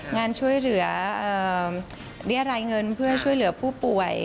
ช่วยเหลือเรียรายเงินเพื่อช่วยเหลือผู้ป่วย